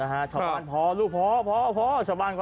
หัวหลักหัวหลัก